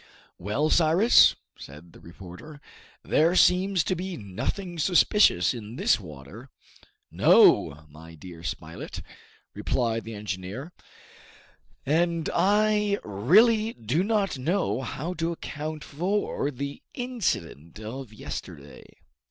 "Well, Cyrus," said the reporter, "there seems to be nothing suspicious in this water." "No, my dear Spilett," replied the engineer, "and I really do not know how to account for the incident of yesterday."